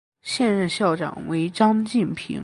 现任校长为张晋平。